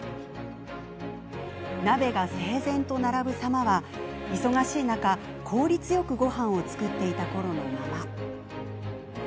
鍋が整然と並ぶ様は忙しい中、効率よくごはんを作っていたころのまま。